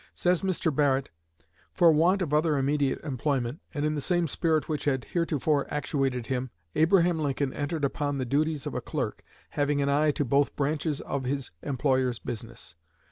Says Mr. Barrett: "For want of other immediate employment, and in the same spirit which had heretofore actuated him, Abraham Lincoln entered upon the duties of a clerk, having an eye to both branches of his employer's business.